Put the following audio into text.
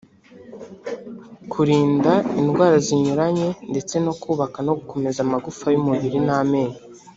kurinda indwara zinyuranye ndetse no kubaka no gukomeza amagufa y’umubiri n’amenyo